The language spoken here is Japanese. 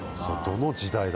どの時代だ？